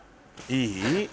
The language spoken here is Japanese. いい？